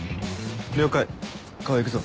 了解川合行くぞ。